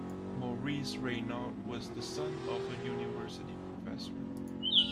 Maurice Raynaud was the son of a university professor.